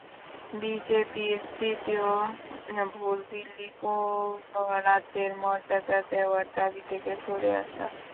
বিজেপির তৃতীয় ভুল, দিল্লিকে পূর্ণ রাজ্যের মর্যাদা দেওয়ার দাবি থেকে সরে আসা।